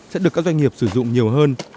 sẽ được các doanh nghiệp sử dụng nhiều hơn